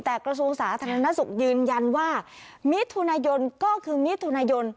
แต่กระทรวงศาสตร์ธนาศุกร์ยืนยันว่ามิถุนายนก็คือมิถุนายน